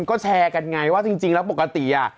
ก็แชร์กันไงว่าจริงแล้วปกติอ่ะ